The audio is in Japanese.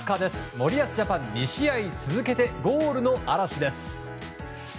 森保ジャパン、２試合続けてゴールの嵐です。